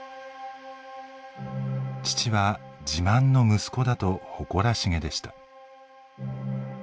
父は「自慢の息子だ」と誇らしげでした。